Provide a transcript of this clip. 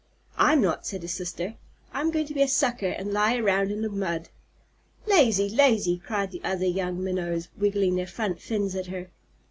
"I'm not," said his sister. "I'm going to be a Sucker, and lie around in the mud." "Lazy! Lazy!" cried the other young Minnows, wiggling their front fins at her.